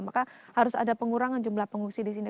maka harus ada pengurangan jumlah pengungsi di sini